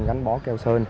đánh bỏ kèo sơn